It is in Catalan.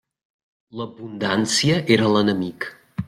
L'abundància era l'enemic.